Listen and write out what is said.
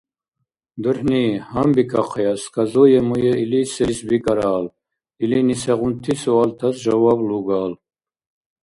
ДурхӀни, гьанбикахъая сказуемое или селис бикӀарал, илини сегъунти суалтас жаваб лугал.